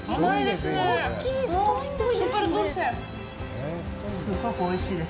すっごくおいしいです。